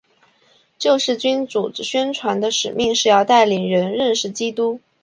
救世军组织宣传的使命是要带领人认识基督。